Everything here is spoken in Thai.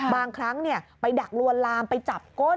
บางครั้งไปดักลวนลามไปจับก้น